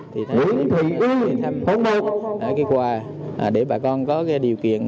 thì thay đổi thăm quà để bà con có điều kiện